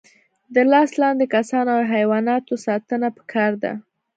د لاس لاندې کسانو او حیواناتو ساتنه پکار ده.